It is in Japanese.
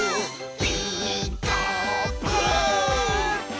「ピーカーブ！」